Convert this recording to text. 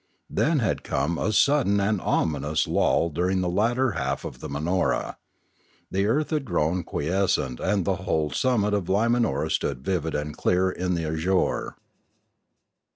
Then had come a sud den and ominous lull during the latter half of the Man or a; the earth had grown quiescent and the whole summit of Limanora stood vivid and dear in the azure.